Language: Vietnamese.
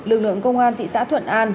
lực lượng công an thị xã thuận an